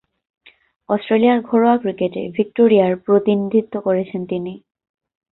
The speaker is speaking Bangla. অস্ট্রেলিয়ার ঘরোয়া ক্রিকেটে ভিক্টোরিয়ার প্রতিনিধিত্ব করছেন তিনি।